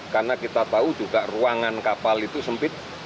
karena kita tahu juga ruangan kapal itu sempit